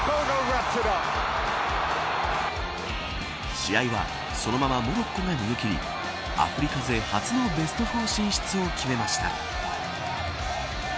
試合はそのままモロッコが逃げ切りアフリカ勢初のベスト４進出を決めました。